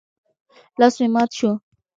لاس مې مات شو.